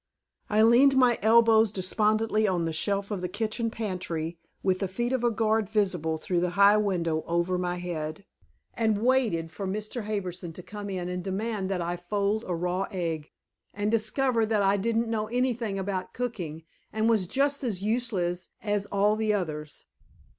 I leaned my elbows despondently on the shelf of the kitchen pantry, with the feet of a guard visible through the high window over my head, and waited for Mr. Harbison to come in and demand that I fold a raw egg, and discover that I didn't know anything about cooking, and was just as useless as all the others.